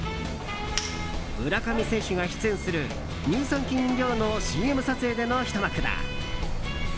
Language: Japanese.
村上選手が出演する乳酸菌飲料のＣＭ撮影でのひと幕だ。